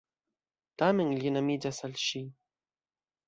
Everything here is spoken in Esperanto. Tamen li enamiĝas al ŝi.